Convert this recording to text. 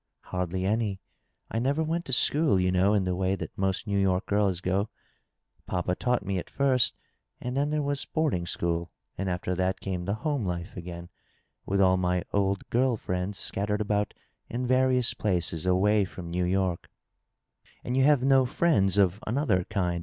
''" Hardly any. I never went to school, you know, in the way that most New York girls go. Papa taught me at first, and then there was boarding school ; and after that came the home life again, with all my old girl friends scattered about in various places away from New York,'* "And you have no friends of another kind?"